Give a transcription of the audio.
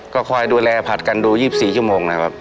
ก็คอยดูแลผัดกันดู๒๔ชั่วโมงนะครับ